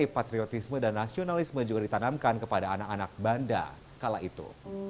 patriotisme dan nasionalisme juga ditanamkan kepada anak anak banda kala itu